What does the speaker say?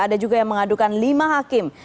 ada juga yang mengadukan lima hakim